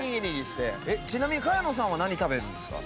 ちなみに茅野さんは何食べるんですか？